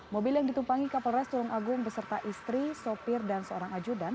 mobil yang ditumpangi kapolres tulung agung beserta istri sopir dan seorang ajudan